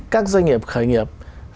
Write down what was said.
các doanh nghiệp khởi nghiệp